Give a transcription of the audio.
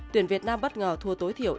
tuyển việt nam bất ngờ thua tối thiểu